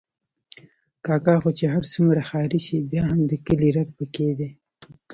کاکا خو چې هر څومره ښاري شي، بیا هم د کلي رګ پکې دی.